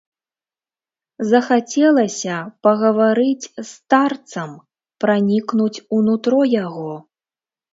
Захацелася пагаварыць з старцам, пранікнуць у нутро яго.